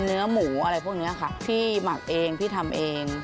เนื้อหมูอะไรพวกนี้ค่ะพี่หมักเองพี่ทำเอง